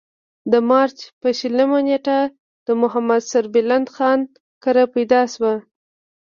د مارچ پۀ شلمه نېټه د محمد سربلند خان کره پېدا شو ۔